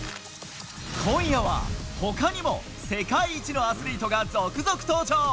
今夜は、他にも世界一のアスリートが続々登場。